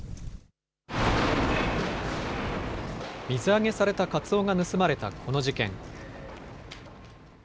水揚げされたカツオが盗まれたこの事件。